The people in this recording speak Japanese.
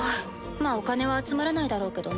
まあお金は集まらないだろうけどね。